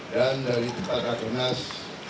dan dari tempat rakernas